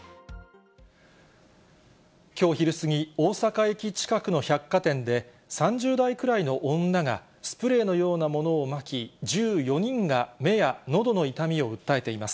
きょう昼過ぎ、大阪駅近くの百貨店で、３０代くらいの女が、スプレーのようなものをまき、１４人が目やのどの痛みを訴えています。